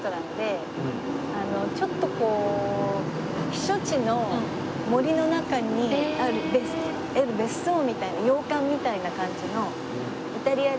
ちょっとこう避暑地の森の中にある別荘みたいな洋館みたいな感じの。